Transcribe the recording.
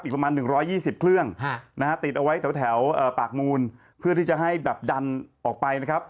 ประมาณ๑๒๐เครื่องนะฮะติดเอาไว้แถวปากมูลเพื่อที่จะให้แบบดันออกไปนะครับ